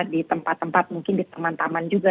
di tempat tempat mungkin di teman teman juga